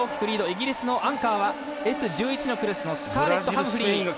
イギリスのアンカーはＳ１１のクラスのスカーレット・ハムフリー。